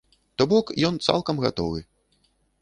То бок ён цалкам гатовы!